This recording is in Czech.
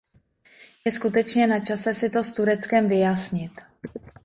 Je skutečně načase si to s Tureckem vyjasnit.